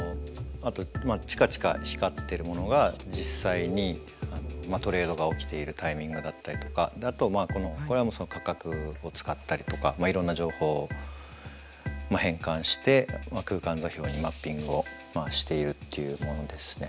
チカチカ光ってるものが実際にトレードが起きているタイミングだったりとかあとはこれは価格を使ったりとかいろんな情報を変換して空間座標にマッピングをしているっていうものですね。